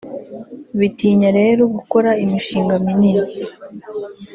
Bitinya rero gukora imishinga minini